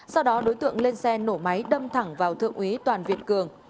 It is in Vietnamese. sau đó đối tượng lên xe nổ máy đâm thẳng vào thượng úy toàn việt cường